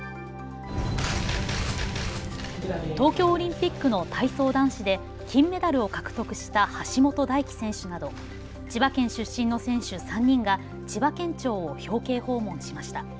東京オリンピックの体操男子で金メダルを獲得した橋本大輝選手など千葉県出身の選手３人が千葉県庁を表敬訪問しました。